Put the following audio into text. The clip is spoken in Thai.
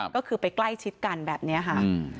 ก็คือไปใกล้ชิดกันแบบนี้ค่ะ